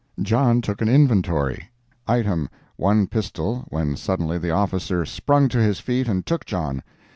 John took an inventory. Item, one pistol, when suddenly the officer sprung to his feet and took John.